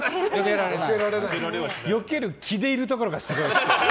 よける気でいるところがすごいですよ。